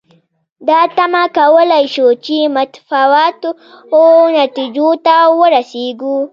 دا تمه کولای شو چې متفاوتو نتیجو ته ورسېږو.